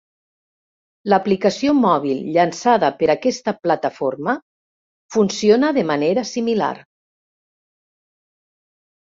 L'aplicació mòbil llançada per aquesta plataforma funciona de manera similar.